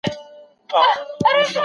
که غزلي د شېراز لال و مرجان دي